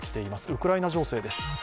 ウクライナ情勢です。